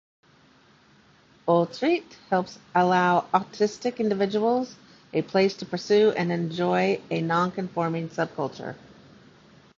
Autreat helps allow autistic individuals a place to pursue and enjoy a nonconforming subculture.